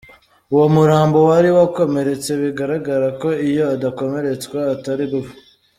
Uwo murambo wari wakomeretse, bigaragara ko iyo adakomeretswa atari gupfa.